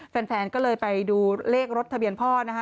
แฟนก็เลยไปดูเลขรถทะเบียนพ่อนะคะ